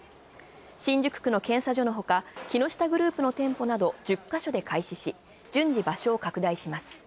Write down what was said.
新宿区の検査所のほか、木下グループの店舗など１０か所で開始し、順次場所を拡大します。